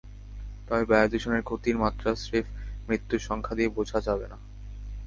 তবে বায়ুদূষণের ক্ষতির মাত্রা স্রেফ মৃত্যুর সংখ্যা দিয়ে বোঝা যাবে না।